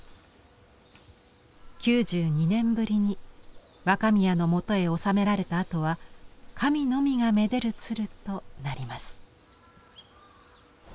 ９２年ぶりに若宮のもとへおさめられたあとは「神のみがめでる鶴」となります。